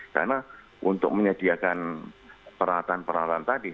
karena untuk menyediakan peralatan peralatan tadi